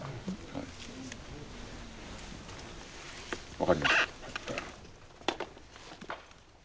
分かりました。